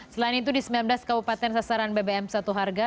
selain itu di sembilan belas kabupaten sasaran bbm satu harga